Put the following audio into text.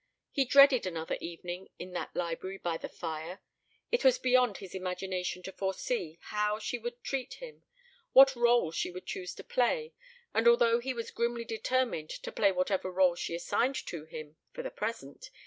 He dreaded another evening in that library by the fire. It was beyond his imagination to foresee how she would treat him, what rôle she would choose to play, and although he was grimly determined to play whatever rôle she assigned to him (for the present!)